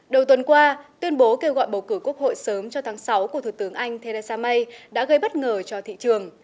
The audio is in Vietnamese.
đầu tuần qua tuyên bố kêu gọi bầu cử quốc hội sớm cho tháng sáu của thủ tướng anh theresa may đã gây bất ngờ cho thị trường